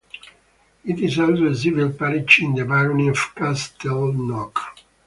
It is also a civil parish in the barony of Castleknock.